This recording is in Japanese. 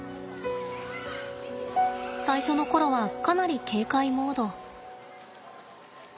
最初の頃はかなり警戒モード。